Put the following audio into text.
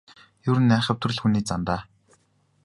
Ер нь айхавтар л хүний зан даа.